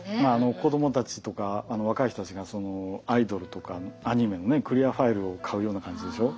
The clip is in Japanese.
子どもたちとか若い人たちがアイドルとかアニメのクリアファイルを買うような感じでしょ。